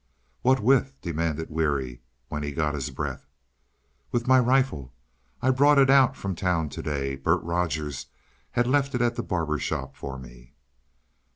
"What with?" demanded Weary when he got his breath. "With my rifle. I brought it out from town today. Bert Rogers had left it at the barber shop for me."